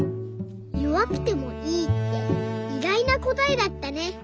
「よわくてもいい」っていがいなこたえだったね。